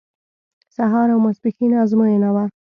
سهار او ماسپښین ازموینه وه.